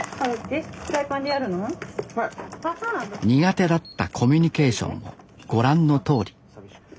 苦手だったコミュニケーションもご覧のとおり。